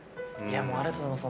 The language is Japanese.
ありがとうございます。